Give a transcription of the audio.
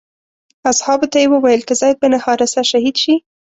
اصحابو ته یې وویل که زید بن حارثه شهید شي.